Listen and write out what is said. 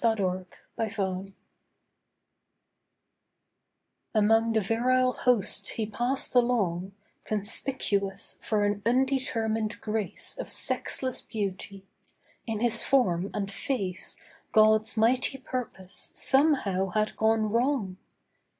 THE DECADENT Among the virile hosts he passed along, Conspicuous for an undetermined grace Of sexless beauty. In his form and face God's mighty purpose somehow had gone wrong.